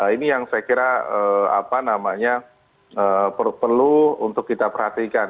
ini yang saya kira perlu untuk kita perhatikan